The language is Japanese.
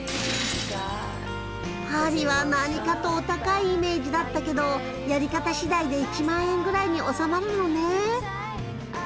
パリは何かとお高いイメージだったけどやり方しだいで１万円ぐらいに収まるのね。